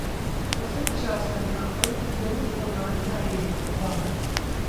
असद शासन का अंत जरूर होना चाहिए: ओबामा